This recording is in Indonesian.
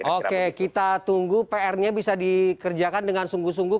oke kita tunggu pr nya bisa dikerjakan dengan sungguh sungguh